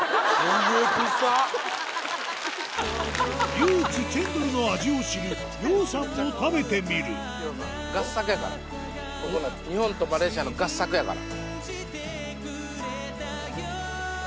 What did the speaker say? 唯一チェンドルの味を知るヨウさんも食べてみる合作やから日本とマレーシアの合作やから。